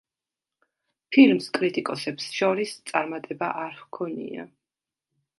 ფილმს კრიტიკოსებს შორის წარმატება არ ჰქონია.